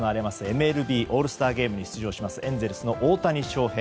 ＭＬＢオールスターゲームに出場するエンゼルスの大谷翔平。